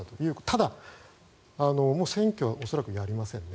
ただ、選挙は恐らくやりませんね